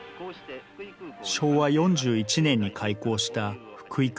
昭和４１年に開港した福井空港。